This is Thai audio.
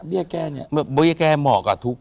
เบี้ยแก้เนี่ยเบี้ยแก้เหมาะกับ